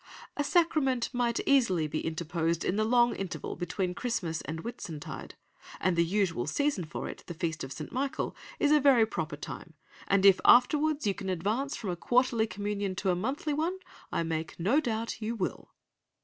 "A sacrament might easily be interposed in the long interval between Christmas and Whitsuntide, and the usual season for it, the Feast of St. Michael, is a very proper time, and if afterwards you can advance from a quarterly communion to a monthly one, I make no doubt you will."